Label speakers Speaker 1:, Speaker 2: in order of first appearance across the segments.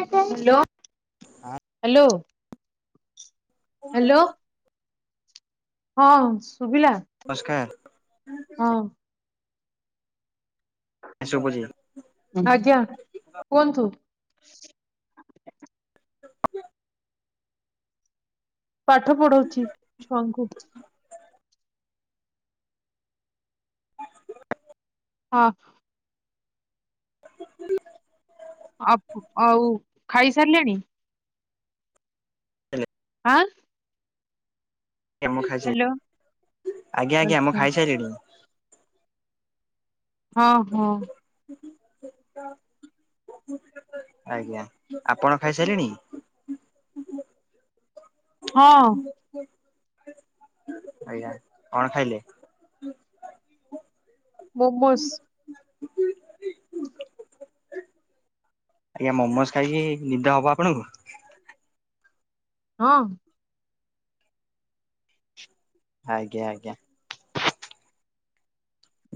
Speaker 1: Hello
Speaker 2: ହଁ
Speaker 1: hello hello. ହଁ ଶଭିଲା।
Speaker 2: ନମସ୍କାର।
Speaker 1: ହଁ।
Speaker 2: ଆ ଶୁବୁଚି
Speaker 1: ଆଜ୍ଞା କୁହନ୍ତୁ।
Speaker 2: ହ
Speaker 1: ପାଠ ପଢଉଛି ଛୁଆ ଙ୍କୁ। ହଁ।
Speaker 2: ହୁ
Speaker 1: ଆପ ଆଉ ଖାଇସାରିଲେଣି?
Speaker 2: ହେଲେ
Speaker 1: ଆଁ?
Speaker 2: ଆଜ୍ଞା ମୁଁ ଖାଇସା
Speaker 1: ହ୍ୟାଲୋ
Speaker 2: ଆଜ୍ଞା ଆଜ୍ଞା ମୁଁ
Speaker 1: ଆଚ୍ଛା।
Speaker 2: ଖାଇସାଇଲିଣି।
Speaker 1: ହଁ ହଁ।
Speaker 2: ଆଜ୍ଞା ଆପଣ ଖାଇସାରିଲେଣି?
Speaker 1: ହଁ।
Speaker 2: ହୁଁ। ଆଜ୍ଞା କଣ ଖାଇଲେ?
Speaker 1: ମୋମୋସ୍।
Speaker 2: ଆଜ୍ଞା ମୋମୋସ ଖାଇକି ନିଦ ହବ ଆପଣଙ୍କୁ?
Speaker 1: ହଁ।
Speaker 2: ଆଜ୍ଞା ଆଜ୍ଞା।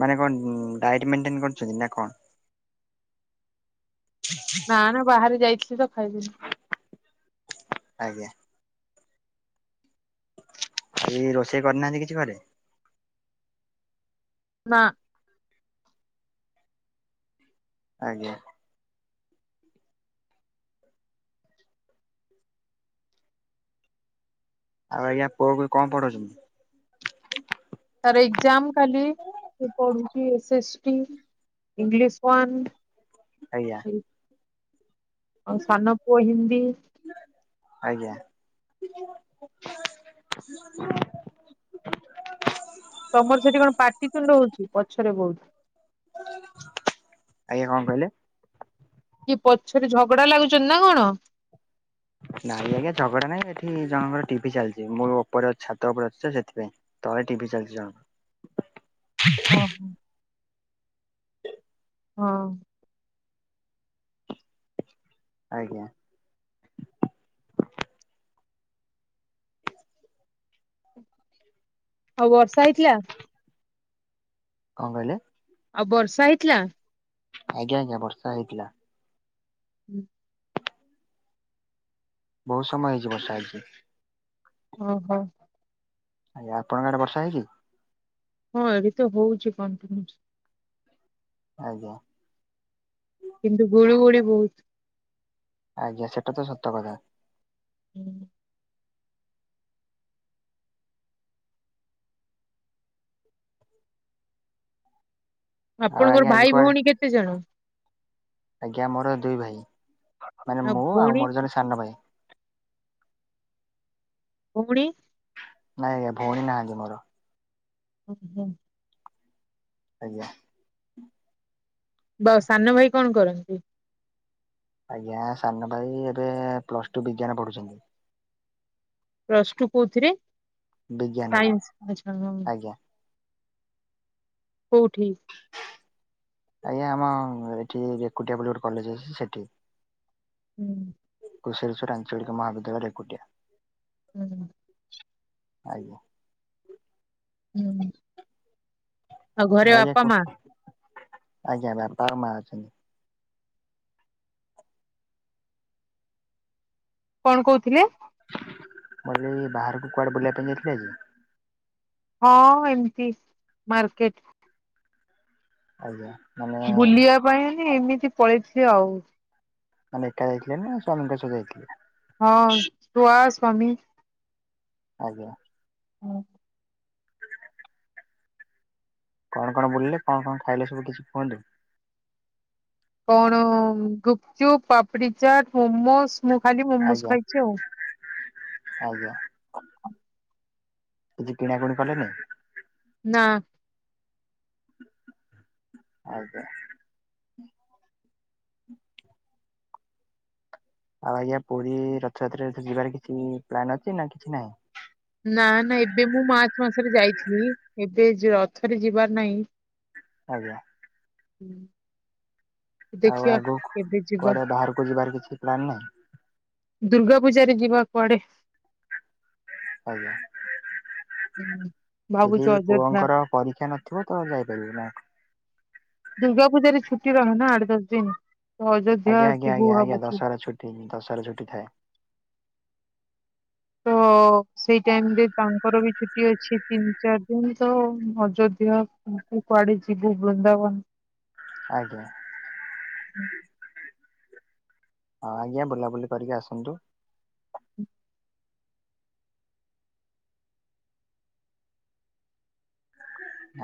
Speaker 2: ମାନେ କଣ ଡାଇଟ୍ ମେଣ୍ଟେନ କରୁଛନ୍ତି ନା କଣ?
Speaker 1: ନା ନା ବାହାରେ ଯାଇଥିଲି ତ ଖାଇଦେଲି।
Speaker 2: ଆଜ୍ଞା। ଆଇ ରୋଷେଇ କରିନାହାନ୍ତି କିଛି ଘରେ?
Speaker 1: ନା।
Speaker 2: ଆଜ୍ଞା। ଆଉ ଆଜ୍ଞା ପୁଅ କୁ କଣ ପଢୁଚନ୍ତି?
Speaker 1: ତାର ଏକ୍ଜାମ କାଲି ସେ ପଢୁଛି S S T. English one.
Speaker 2: ଆଜ୍ଞା।
Speaker 1: ଆଉ ସାନ ପୁଅ ହିନ୍ଦୀ
Speaker 2: ଆଜ୍ଞା। [inaudible]
Speaker 1: ତମର ସେଠି କଣ ପାଟିିତୁଣ୍ଡ ହଉଚି ପଛରେ ବହୁତ।
Speaker 2: ଆଜ୍ଞା କଣ କହିଲେ?
Speaker 1: କିଏ ପଛରେ ଝଗଡା ଲାଗୁଚନ୍ତି ନା କଣ?
Speaker 2: ନାଇଁ ଆଜ୍ଞା ଝଗଡା ନାଇଁ ଏଠି ଜଣଙ୍କର ଟିଭି ଚାଲିଚି ମୋ ଉପରେ ଛାତ ଉପରେ ଅଛି ତ ସେଥିପାଇଁ। ତଳେ ଟିଭି ଚାଲିଚି ଜଣଙ୍କର।
Speaker 1: ଓହୋ। ହଁ।
Speaker 2: ଆଜ୍ଞା।
Speaker 1: ଆଉ ବର୍ଷା ହେଇଥିଲା?
Speaker 2: କଣ କହିଲେ?
Speaker 1: ଆଉ ବର୍ଷା ହେଇଥିଲା?
Speaker 2: ଆଜ୍ଞା ଆଜ୍ଞା ବର୍ଷା ହେଇଥିଲା।
Speaker 1: ହୁଁ।
Speaker 2: ବହୁତ ସମୟ ହେଇଛି ବର୍ଷା ଆଜି।
Speaker 1: ଓହୋ।
Speaker 2: ଆଜ୍ଞ ଆପଣଙ୍କ ଆଡେ ବର୍ଷା ହେଇଚି?
Speaker 1: ହଁ ଏବେ ତ ହଉଚି କଣ୍ଟିନିଅସ।
Speaker 2: ଆଜ୍ଞା।
Speaker 1: କିନ୍ତୁ ଗୁଳୁ ଗୁଳି ବୋହୁତ।
Speaker 2: ଆଜ୍ଞା ସେଟା ତ ସତ କଥା।
Speaker 1: ହୁଁ।
Speaker 2: ଆଉ
Speaker 1: ଆପଣଙ୍କର
Speaker 2: ଆଜ୍ଞା ଆଜି
Speaker 1: ଭାଇ
Speaker 2: କୁଆଡେ
Speaker 1: ଭୋଉଣୀ କେତେ ଜଣ?
Speaker 2: ଆଜ୍ଞା ମୋର ଦୁଇ ଭାଇ ମାନେ ମୁଁ ଆଉ ମୋର ଜଣେ ସାନ ଭାଇ।
Speaker 1: ଭୋଉଣି?
Speaker 2: ନାଇଁ ଆଜ୍ଞା ଭୋଉଣୀ ନାହାନ୍ତି ମୋର।
Speaker 1: ଉଁହୁଁ।
Speaker 2: ଆଜ୍ଞା।
Speaker 1: ଦ ସାନ ଭାଇ କଣ କରନ୍ତି?
Speaker 2: ଆଜ୍ଞା ସାନ ଭାଇ ଏବେ ପ୍ଲସ ଟୁ ବିଜ୍ଞାନ ପଢୁଛନ୍ତି।
Speaker 1: ପ୍ଲସ୍ ଟୁ କୋଉଥିରେ
Speaker 2: ବିଜ୍ଞାନରେ।
Speaker 1: ସାଇନ୍ସ ଆଛା ହଁ।
Speaker 2: ଆଜ୍ଞା
Speaker 1: କୋଉଠି?
Speaker 2: ଆଜ୍ଞା ଆମ ଏଠି ରେକୁଟିଆ ବୋଲି ଗୋଟେ କଲେଜ ଅଛି ସେଠି।
Speaker 1: ହୁଁ।
Speaker 2: କୁସେଳ ଆଞ୍ଚଳିକ ମହାବିଦ୍ୟାଳୟ ରେକୁଟିଆ।
Speaker 1: ହୁଁ।
Speaker 2: ଆଜ୍ଞା।
Speaker 1: ହୁଁ। ଆଉ
Speaker 2: ଆ
Speaker 1: ଘରେ
Speaker 2: ଆଜ୍ଞା
Speaker 1: ବାପା ମା
Speaker 2: କୁହ? ଆଜ୍ଞା ବାପା ଆଉ ମା ଅଛନ୍ତି।
Speaker 1: କଣ କହୁଥିଲେ?
Speaker 2: ମଁ ଇଲି ବାହାରକୁ କୁଆଡେ ବୁଲିବା ପାଇଁ ଯାଇଥିଲେ ଆଜି?
Speaker 1: ହଁ ଏମିତି ମାର୍କେଟ।
Speaker 2: ଆଜ୍ଞା ମାନେ
Speaker 1: ବୁଲିବା ପାଇଁ [unintelligible] ଏମିତି ପଳେଇଥିଲି ଆଉ।
Speaker 2: ମାନେ ଏକା ଯାଇଥିଲେ ନା ସ୍ୱାମୀଙ୍କ ସହ ଯାଇଥିଲେ?
Speaker 1: ହଁ ଛୁଆ ସ୍ୱାମୀ।
Speaker 2: ଆଜ୍ଞା।
Speaker 1: ହୁଁ।
Speaker 2: କଣ କଣ ବୁଲିଲେ କଣ କଣ ଖାଇଲେ ସବୁ କିଛି କୁହନ୍ତୁ?
Speaker 1: କଣ ଗୁପଚୁପ୍ ପାମ୍ପିଡ଼ି ଚାଟ୍ ମୋମୋଜ ମୁଁ ଖାଲି ମୋମୋଜ
Speaker 2: ଆଜ୍ଞା
Speaker 1: ଖାଇଚି ଆଉ।
Speaker 2: ଆଜ୍ଞା କିଛି କିଣାକୁଣି କଲେନି?
Speaker 1: ନା।
Speaker 2: ଆଜ୍ଞା। ଆଉ ଆଜ୍ଞା ପୁରୀ ରଥଯାତ୍ରାରେ ଯିବାର କିଛି ପ୍ଲାନ ଅଛି ନା କିଛି ନାହିଁ?
Speaker 1: ନା ନା ଏବେ ମୁଁ ମାର୍ଚ୍ଚ ମାସରେ ଯାଇଥିଲି। ଏବେ ରଥରେ ଯିବାର ନାହିଁ।
Speaker 2: ଆଜ୍ଞା।
Speaker 1: ହୁଁ।
Speaker 2: ଆଉ
Speaker 1: ଦେଖିବା
Speaker 2: ଆଗକୁ
Speaker 1: କେବେ ଯିବା
Speaker 2: କୁଆଡେ ବାହାରକୁ ଯିବାର କିଛି ପ୍ଲାନ ନାହିଁ?
Speaker 1: ଦୁର୍ଗା ପୂଜାରେ ଯିବା କୁଆଡେ।
Speaker 2: ଆଜ୍ଞା।
Speaker 1: ହୁଁ। ଭାବୁଛୁ
Speaker 2: ଯଦି
Speaker 1: ଅଯୋଧ୍ୟା
Speaker 2: ପୁଅଙ୍କର ପରୀକ୍ଷା ନଥିବ ତ ଯାଇପାରିବେ ନା?
Speaker 1: ଦୁର୍ଗା ପୂଜାରେ ଛୁଟି ରହେ ନା ଆଠ ଦଶ ଦିନ। ତ ଅଯୋଧ୍ୟା
Speaker 2: ଆଜ୍ଞା ଆଜ୍ଞା
Speaker 1: ଯିବୁ
Speaker 2: ଆଜ୍ଞା ଆଞା
Speaker 1: ଭାବୁଛୁ
Speaker 2: ଦଶହରା ଛୁଟି ଦଶହରା ଛୁଟି ଥାଏ।
Speaker 1: ତୋ ସେଇ ଟାଇମରେ ତାଙ୍କର ବି ଛୁଟି ଅଛି ତିନି ଚାରି ଦିନ ତ ଅଯୋଧ୍ୟ ବୁ କୁଆଡ଼େ ଯିବୁ ବୃନ୍ଦାବନ।
Speaker 2: ଆଜ୍ଞା। ହଁ ଆଜ୍ଞା ବୁଲାବୁଲି କରିକି ଆସନ୍ତୁ।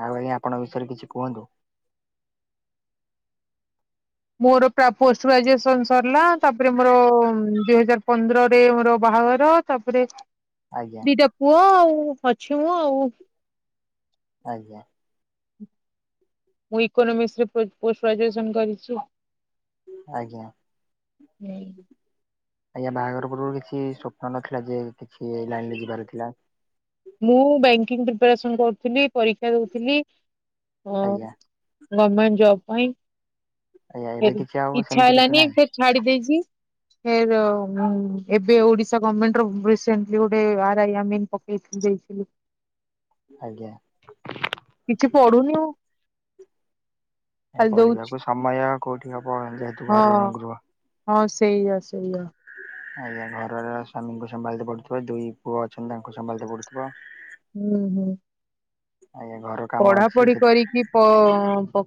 Speaker 2: ଆଉ ଭାଇ ଆପଣଙ୍କ ବିଷୟରେ କିଛି କୁହନ୍ତୁ।
Speaker 1: ମୋର ପ୍ରା ପୋଷ୍ଟ ଗ୍ରାଜୁଏସନ୍ ସରଲା ତାପରେ ମୋର ଦିହଜାର ପନ୍ଦରରେ ମୋର ବାହାଘ ଘର ତାପରେ
Speaker 2: ଆଜ୍ଞା।
Speaker 1: ଦିଟା ପୁଅ ଆଉ ପଛୁକୁ ଆଉ
Speaker 2: ଆଜ୍ଞା।
Speaker 1: ମୁଁ ଇକୋନୋମିକ୍ସରେ ପ୍ରୋ ପୋଷ୍ଟ ଗ୍ରାଜୁଏସନ୍ କରିଚି।
Speaker 2: ଆଜ୍ଞା। ଆଜ୍ଞା ବାହାଘର ପୂର୍ବରୁ କିଛି ସ୍ୱପ୍ନ ନଥିଲା ଯେ କିଛି ଲାଇନରେ ଯିବାର ଥିଲା।
Speaker 1: ମୁଁ ବ୍ୟାଙ୍କିଙ୍ଗ ପ୍ରିପାରେସନ୍ କରୁଥୁଲି ପରୀକ୍ଷା ଦୋଉଥିଲି
Speaker 2: ଆଜ୍ଞା
Speaker 1: ଉଁ। ଗମେଣ୍ଟ ଜବ୍ ପାଇଁ
Speaker 2: ଆଜ୍ଞା ଏବେ
Speaker 1: ତେରୁ
Speaker 2: କିଛି ଆଉ
Speaker 1: ଇଚ୍ଛା
Speaker 2: ସେମିତି କିଛି
Speaker 1: ହେଲାନି
Speaker 2: ନାହିଁ
Speaker 1: ଛାଡି ଦେଇଚି ଏର ମୁଁ ଏବେ ଓଡିଶା ଗମେଣ୍ଟର ବେଶ ବ୍ୟାଙ୍ଗଲୋରରେ ଆର୍ ଆଇ ଆମ୍ ମିନ୍ ପକେଇଥି ଦେଇଥିଲି।
Speaker 2: ଆଜ୍ଞା।
Speaker 1: କିଛି ପଢୁନି ମୁଁ।
Speaker 2: ଏ
Speaker 1: ଖାଲି ଦଉଛି
Speaker 2: ପଢିବାକୁ ସମୟ କୋଉଠି ହବ ଯେହେତୁ ଘରଗ
Speaker 1: ହଁ
Speaker 2: ଗୃହ
Speaker 1: ହଁ ସେଇଆ ସେଇଆ।
Speaker 2: ଆଜ୍ଞା ଘରର ସ୍ୱାମୀଙ୍କୁ ସମ୍ଭାଳତେ ପଡୁଥୁବ ଦୁଇ ପୁଅ ଅଛନ୍ତି ତାଙ୍କୁ ସମ୍ଭାଳତେ ପଡୁଥୁବ।
Speaker 1: ଉଁ ହୁଁ।
Speaker 2: ଆଜ୍ଞା ଘରୁ
Speaker 1: ପଢାପଢି କରିକି ପ ପ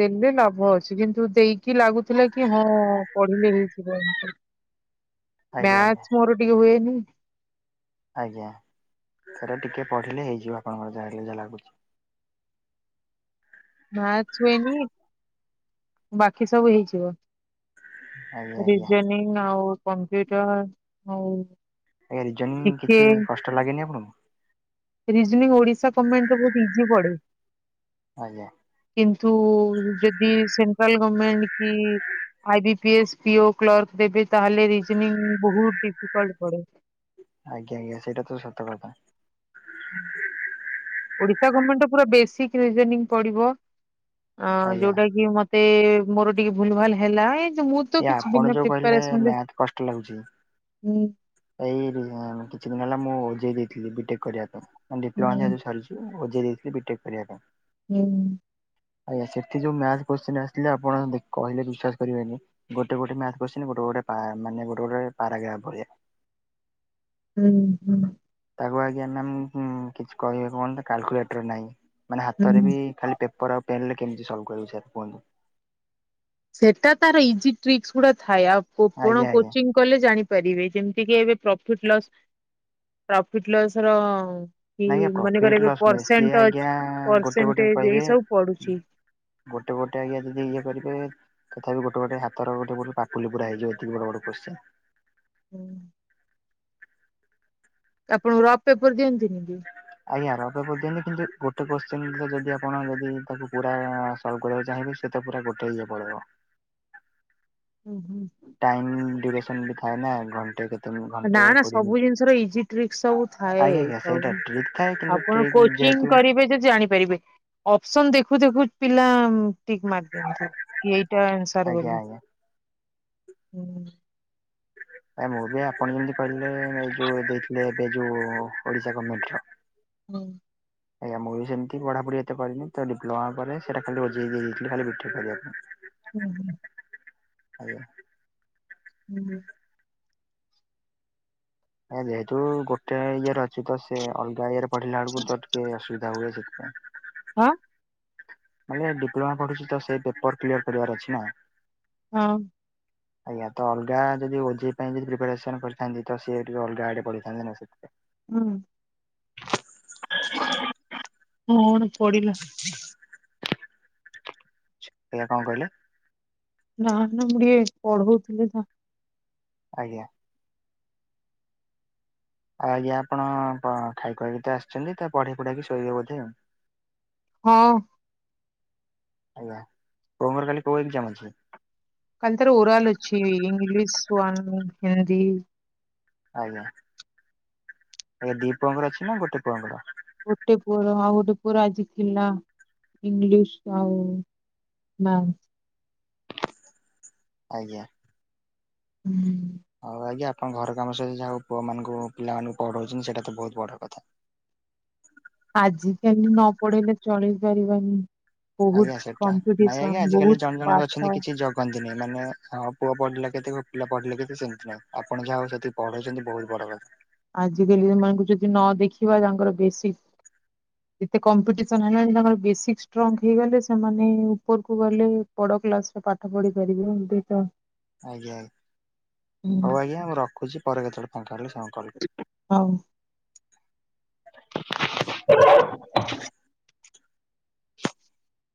Speaker 1: ଦେଲେ ଲାଭ ଅଛି କିନ୍ତୁ ଦେଇକି ଲାଗୁଥିଲା କି ହଁ ପଢିଲେ ହେଇଯିବ।
Speaker 2: ଆଜ୍ଞା ଆଜ୍ଞା
Speaker 1: ମ୍ୟାଚ ମୋର ଟିକେ ହୁଏନି।
Speaker 2: ଆଜ୍ଞା ଥରେ ଟିକେ ପଢିଲେ ହେଇଯିବ ଆପଣଙ୍କର ଯାହାହେଲେ ବି ଯାହା ଲାଗୁଚି।
Speaker 1: ମାଥସ୍ ହୁଏନି ବାକି ସବୁ ହେଇଯିବ।
Speaker 2: ଆଜ୍ଞା ଆଜ୍ଞା।
Speaker 1: ରଜୋନିଂ ଆଉ କମ୍ପ୍ୟୁଟର୍ ଆଉ
Speaker 2: ଆଜ୍ଞା ରିଜୋନଙ୍ଗ୍
Speaker 1: ଜିକେ
Speaker 2: କିଛି କଷ୍ଟ ଲାଗେନି ଆପଣଙ୍କୁ?
Speaker 1: ରିଜନିଂ ଓଡିଶା ଗମେଣ୍ଟରେ ବୋହୁତ ଇଜି ପଡେ।
Speaker 2: ଆଜ୍ଞା।
Speaker 1: କିନ୍ତୁ ଯଦି ସେଣ୍ଟ୍ରାଲ ଗମେଣ୍ଟ କି I B P S PO clerk ଦେବେ ତାହେଲେ ରିଜନିଂ ବୋହୁତ ଡିଫିକଲଟ୍ ପଡେ।
Speaker 2: ଆଜ୍ଞା ଆଜ୍ଞା ସେଇଟା ତ ସତ କଥା।
Speaker 1: ଓଡିଶା ଗମେଣ୍ଟର ପୁରା ବେସିକ୍ ରିଜୋନିଂ ପଡିବ। ଅଁ
Speaker 2: ଆଜ୍ଞା
Speaker 1: ଯୋଉଟା କି ମତେ ମୋର ଟିକେ ଭୁଲଭାଲ ହେଲା ଏ ଯେ ମୁଁ ତ୍ ତ
Speaker 2: ଏ
Speaker 1: କିଛି
Speaker 2: ଆପଣ
Speaker 1: ବିନା
Speaker 2: ଯୋଉ କହିଲେ
Speaker 1: ପ୍ରିପାରେସନରେ
Speaker 2: ମ୍ୟାଥ କଷ୍ଟ ଲାଗୁଛି।
Speaker 1: ହୁଁ।
Speaker 2: ଏଇ ଦି ଇଁ କିଛି ଦିନ ହେଲା ମୁଁ ଓଜେଇ ଦେଇଥିଲି ବିଟେକ୍ କରିବା ପାଇଁ ମାନେ ଡିପ୍ଲୋମା ମାନେ
Speaker 1: ହୁଁ
Speaker 2: ଏବେବି ସରିଚି। ଉ ଓଜେଇ ଦେଇଥିଲି ବିଟେକ୍ କରିବା ପାଇଁ।
Speaker 1: ଉଁ
Speaker 2: ଆଜ୍ଞା ସେଠି ଯୋଉ ମ୍ୟାଥ କୋଶ୍ଚିନ ଆସଥିଲା ଆପଣ ଦେ କହିଲେ ବିଶ୍ବାସ କରିବେନି। ଗୋଟେ ଗୋଟେ ମ୍ୟାଥ୍ କୋଶ୍ଚିନ ଗୋଟେ ଗୋଟେ ପା ମାନେ ଗୋଟେ ଗୋଟେ ପାରାଗ୍ରାଫ ଭଳିଆ।
Speaker 1: ଉଁ ହୁଁ।
Speaker 2: ତାକୁ ଆଜ୍ଞା ମ୍ୟାମ୍ ହୁଁ କିଛି କହିବାକୁ ମାନତା କାଲକୁଲେଟର ନାହିଁ ମାନେ ହାତରେ
Speaker 1: ହୁଁ
Speaker 2: ବି ଖାଲି ପେପର ଆଉ ପେନରେ କେମତି ସଲଭ୍ କରିବୁ ସେୟାକୁ କୁହନ୍ତୁ।
Speaker 1: ସେଟା ତାର ଇଜି ଟ୍ରିକ୍ସଗୁଡା ଥାଏ ଆଉ କୋଉ ପୁରୁଣ
Speaker 2: ଆଜ୍ଞା ଆଜ୍ଞା
Speaker 1: କୋଚିଂ କଲେ ଜାଣିପାରିବେ ଯେମତି କି ଏବେ ପ୍ରଫିଟ୍ ଲସ୍ ପ୍ରଫିଟ୍ ଲସର କି
Speaker 2: ନାଇଁ ଆଜ୍ଞା ପ୍ରଫିଟ୍
Speaker 1: ମନେକର ଏବେ
Speaker 2: ଲସ୍ ନୁହେଁ ସିଏ
Speaker 1: ପର୍ସେଣ୍ଟ
Speaker 2: ଆଜ୍ଞା
Speaker 1: ଅଛି
Speaker 2: ଗୋଟେ ଗୋଟେ
Speaker 1: ପର୍ସେଣ୍ଟେଜ୍
Speaker 2: କହିବେ
Speaker 1: ଏଇ ସବୁ ପଡୁଚି।
Speaker 2: ଗୋଟେ ଗୋଟେ ଆଜ୍ଞା ଯଦି ଇଏ କରିପାରିବେ ତଥାପି ଗୋଟେ ଗୋଟେ ହାତର ଗୋଟେ ଗୋଟେ ପାପୁଲି ପୁରା ହେଇଯିବ ଏତିକି ବଡ ବଡ କୋଶ୍ଚିନ୍।
Speaker 1: ହୁଁ। ତ ଆପଣଙ୍କୁ ରଫ ପେପର ଦିଅନ୍ତିନି କି?
Speaker 2: ଆଜ୍ଞା ରବେ କରିଦିଅନ୍ତି କିନ୍ତୁ ଗୋଟେ କୋଶ୍ଚନ ଯଦି ଆପଣ ଯଦି ତାକୁ ପୁରା ସବୁ କରିବାକୁ ଚାହିଁବ ସେ ତ ପୁରା ଗୋଟେ ସୁଦ୍ଧା ପଳେଇ ବ
Speaker 1: ହୁଁ ହୁଁ।
Speaker 2: ଟାଇମ୍ ଡିରେସନ୍ ବି ଥାଏ ନା ଘଣ୍ଟେ କେତ
Speaker 1: ନା ନା ସବୁ ଜିନିଷର ଇଜି ଟ୍ରିକ୍ ସବୁ
Speaker 2: ଆଜ୍ଞା
Speaker 1: ଥାଏୁ।
Speaker 2: ଆଜ୍ଞା ସେଇଟା
Speaker 1: ସବୁ
Speaker 2: ଟ୍ରିକ୍ ଥାଏ କିନ୍ତୁ
Speaker 1: ଆପଣ
Speaker 2: ଟ୍ରିକ୍
Speaker 1: କ ଚିଙ୍ଗ
Speaker 2: ଯେହେତୁ
Speaker 1: କରିବେ ଯଦି ଜାଣିପାରିବେ। ଅପସନ ଦେଖୁ ଦେଖୁ ପିଲା ଟିକ୍ ମାରି ଦିଅନ୍ତି କି ଏଇଟା ଆନ୍ସର
Speaker 2: ଆଜ୍ଞା
Speaker 1: ବୋଲି।
Speaker 2: ଆଜ୍ଞା ଆ ମୁଁ ବି ଆପଣ ଯେମିତି କହିଲେ ଏ ଯୋଉ ଦେଇଥିଲେ ଏବେ ଯୋଉ ଓଡିଶା ଗୋର୍ମେଟ ର
Speaker 1: ହୁଁ।
Speaker 2: ଆଜ୍ଞା। ମୁଁ ବି ସେମିତି ପଢାପଢି ଏତ ପାରିନି ତ ଡିପ୍ଲୋମା ପରେ ସେଟା ଖାଲି ଓଜେଇ ଦେଇ ଦେଇଥିଲି ଖାଲି ବିଟେକ୍ କରିବା ପାଇଁ।
Speaker 1: ହୁଁ ହୁଁ।
Speaker 2: ଆଜ୍ଞା।
Speaker 1: ହୁଁ।
Speaker 2: ଯେହେତୁ ଗୋଟେ ଇଏରେ ଅଛି ତ ସେ ଅଲଗା ଇଏ ରେ ପଢିଲାେଡକୁ ତ ଟିକେ ଅସୁବି ଯାଉ ସେ [unintelligible]
Speaker 1: ହଁ।
Speaker 2: ମାନେ ଡିପ୍ଲୋମା ପଢୁଛି ତ ସେଇ ପେପର କ୍ଲିୟର କରିବାର ଅଛି ନା?
Speaker 1: ହଁ।
Speaker 2: ଆଜ୍ଞା। ତ ଅଲଗା ଯଦି ଓଝେଇ ପାଇଁ ଯଦି ପ୍ରିପାରେସନ କରିଥାନ୍ତି ତ ସେଏ ଟିକେ ଅଲଗା ଆଡେ ପଢିଥାନ୍ତେ ନା ସେଥିପ
Speaker 1: ହୁଁ। କଣ ପଡିଲା?
Speaker 2: ଆଜ୍ଞା କଣ କହିଲେ?
Speaker 1: ନା ନା ମୁଁ ଟିକେ ପଢଉଥିଲି ତ।
Speaker 2: ଆଜ୍ଞା। ଆଉ ଆଜ୍ଞା ଆପଣ ଖାଇ ଖୁଆକି ଆସିଛନ୍ତି ତ ପଢି ପୂଡ଼ାକି ଶୋଇବେ ବୋଧେ?
Speaker 1: ହଁ।
Speaker 2: କୋମର କାଲି କୋଉ ଏକଜାମ୍ ଅଛି?
Speaker 1: କାଲି ତାର ଓରାଲ ଅଛି ଇଂଲିଶ ୱାନ, ହିନ୍ଦୀ
Speaker 2: ଆଜ୍ଞା। ଦି ପୁଅଙ୍କର ଅଛି ନା ଗୋଟେ ପୁଅଙ୍କର?
Speaker 1: ଗୋଟେ ପୁଅର ଆଉ ଗୋଟେ ପୁଅର ଆଜି ଥିଲା ଇଂଲିଶ ଆଉ ମା
Speaker 2: ଆଜ୍ଞା।
Speaker 1: ହୁଁ
Speaker 2: ହଉ ଆଜ୍ଞା ଆପଣ ଘର କାମ ସହିତ ଯାହାକୁ ପୁଅ ମାନଙ୍କୁ ପିଲାମାନାନଙ୍କୁ ପଢଉଛନ୍ତି ସେଇଟା ତ ବହୁତ ବଡ଼ କଥା।
Speaker 1: ଆଜି କାଲି ନ ପଢେଇଲେ ଚଳି ପାରିବାନି। ବହୁତ
Speaker 2: ଆଜ୍ଞା ସେଟା। ନାଇଁ
Speaker 1: କମ୍ପିଟିସନ
Speaker 2: ଆଜ୍ଞା ଆଜିିକାଲି
Speaker 1: ବହୁତ
Speaker 2: ଜଣେ ଜଣ ବି ଅଛନ୍ତି
Speaker 1: ପାଠ।
Speaker 2: କିଛି ଜ କହନ୍ତିନି ମାନେ ହଁ ପୁଅ ପଢିଲା କେତେ ପିଲା ପଢିଲେ କେତ ସେମତି ନାହିଁ। ଆପଣ ଯାହା ହଉ ସେତିକି ପଢ଼ାଉଛନ୍ତି ବୋହୁତ୍ ବଡ କଥା।
Speaker 1: ଆଜିକାଲି ମାନଙ୍କୁ ଯଦି ନ ଦେଖିବା ତାଙ୍କର ବସିକ କେତେ କମ୍ପିଟିସନ ହେଲାଣି ତାଙ୍କର ବେସିକ ଷ୍ଟ୍ରଙ୍ଗ ହେଇଗଲେ ସେମାନେ ଉପରକୁ ଗଲେ ବଡ କ୍ଲାସ ରେ ପାଠ ପଢି ପାରିବେ ଏ ତ
Speaker 2: ଆଜ୍ଞା।
Speaker 1: ହୁଁ
Speaker 2: ହଉ ଆଜ୍ଞା ମୁଁ ରଖୁଛି ପରେ କେତେବେଳେ ଫାଙ୍କା ହେଲେ କଲ କ
Speaker 1: ହଉ। ହ